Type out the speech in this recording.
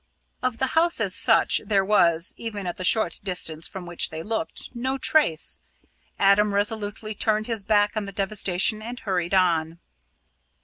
Of the house as such, there was, even at the short distance from which they looked, no trace. Adam resolutely turned his back on the devastation and hurried on.